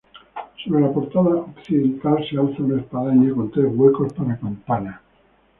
Sobre la portada occidental se alza una espadaña con tres huecos para campanas.